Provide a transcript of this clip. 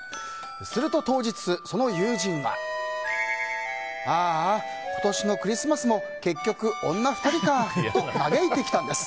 すると当日、その友人があーあ、今年のクリスマスも結局女２人かと嘆いてきたんです。